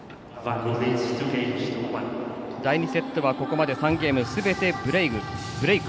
第２セットはここまで３ゲームすべてブレーク。